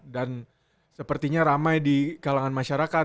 dan sepertinya ramai di kalangan masyarakat